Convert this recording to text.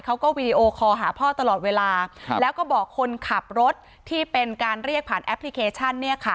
เขาก็วีดีโอคอร์หาพ่อตลอดเวลาแล้วก็บอกคนขับรถที่เป็นการเรียกผ่านแอปพลิเคชัน